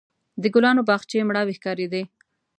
د ګلانو باغچې مړاوې ښکارېدې.